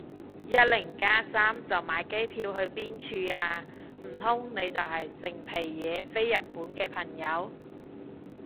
一零加三就買機票去邊處啊？唔通你就係成皮嘢飛日本嘅朋友